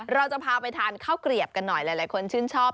เราจะพาไปทานข้าวเกลียบกันหน่อยหลายคนชื่นชอบ